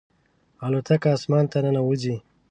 الوتکه اسمان ته ننوځي.